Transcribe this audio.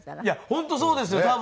いや本当そうですよ。